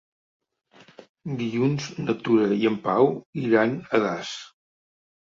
Dilluns na Tura i en Pau iran a Das.